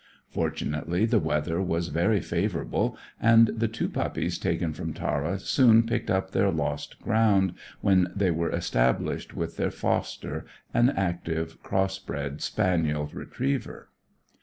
Fortunately, the weather was very favourable, and the two puppies taken from Tara soon picked up their lost ground when they were established with their foster, an active, cross bred spaniel retriever.